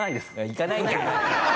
行かないんかい！